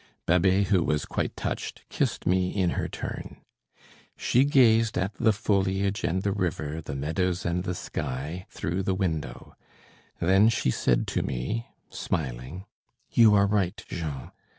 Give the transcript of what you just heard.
Babet, who was quite touched, kissed me in her turn. She gazed at the foliage and the river, the meadows and the sky, through the window; then she said to me, smiling: "You are right, Jean.